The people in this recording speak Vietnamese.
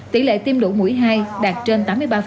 tỷ lệ tiêm đủ mũi hai đạt trên tám mươi ba